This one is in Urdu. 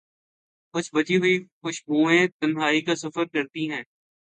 کچھ بچی ہوئی خوشبویں تنہائی کا سفر کرتی ہیں۔